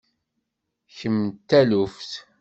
Kemm d taluft.